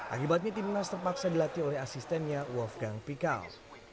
akibatnya timnas terpaksa dilatih oleh asistennya wolfgang pikal